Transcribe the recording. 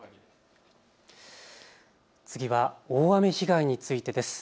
次は大雨被害についてです。